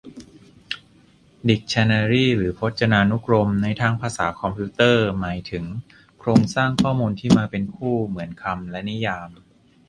ดิกชันนารีหรือพจนานุกรม ในทางภาษาคอมพิวเตอร์ หมายถึงโครงสร้างข้อมูลที่มาเป็นคู่ เหมือนคำและนิยาม